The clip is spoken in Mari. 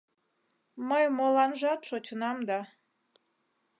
Мый моланжат шочынам да